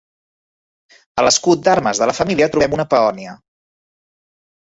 A l'escut d'armes de la família trobem una peònia.